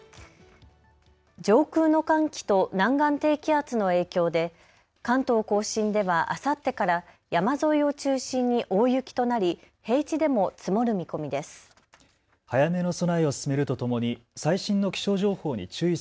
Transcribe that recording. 上空の寒気と南岸低気圧の影響で関東甲信ではあさってから山沿いを中心に大雪となり平地でも積もる見込みです。